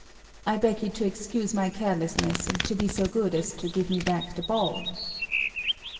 I beg you to excuse my carelessness, and to be so good as to give me back the ball."